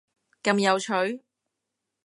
咁有趣？！